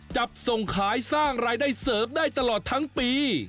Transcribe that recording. จับส่งขายสร้างรายได้เสริมได้ตลอดทั้งปี